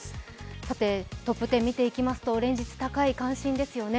トップ１０を見ていきますと連日高い関心ですよね。